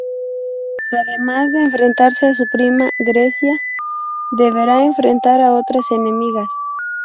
Además de enfrentarse a su prima, Grecia deberá enfrentar a otras enemigas.